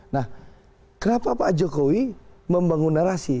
nah kenapa pak jokowi membangun narasi